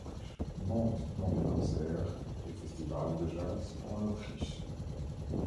Mendt dans des concerts et festivals de jazz en Autriche.